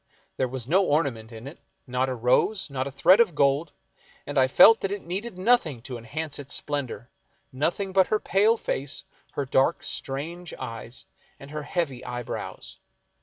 There was no ornament in it, not a rose, not a thread of gold, and I felt that it needed nothing to enhance its splendor ; nothing but her pale face, her dark strange eyes, and her heavy eye brows.